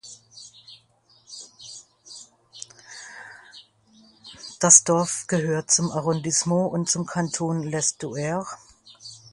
Das Dorf gehört zum Arrondissement und zum Kanton L’Estuaire.